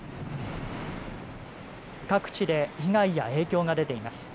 各地で被害や影響が出ています。